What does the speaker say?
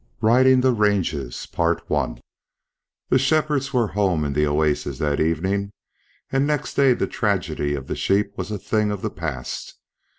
RIDING THE RANGES THE shepherds were home in the oasis that evening, and next day the tragedy of the sheep was a thing of the past.